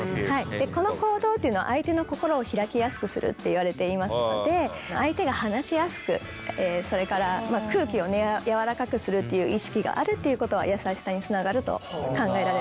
この行動っていうのは相手の心を開きやすくするっていわれていますので相手が話しやすくそれから空気をやわらかくするっていう意識があるっていうことは優しさにつながると考えられます。